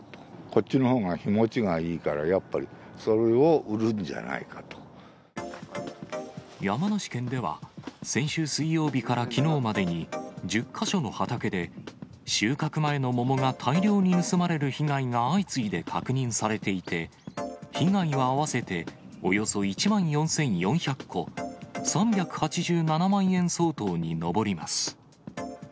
こっちのほうが日持ちがいいから、やっぱり、それを売るんじゃない山梨県では、先週水曜日からきのうまでに、１０か所の畑で、収穫前の桃が大量に盗まれる被害が相次いで確認されていて、被害は合わせておよそ１万４４００個、３８７万円相当に上ります。